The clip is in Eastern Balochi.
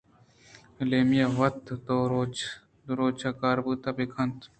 ایمیلیا وتی دوچ ءِ کارءَ بندات بہ کنت